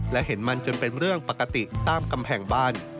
และเห็นมันจนเป็นเรื่องปกติตามกำแพงบ้าน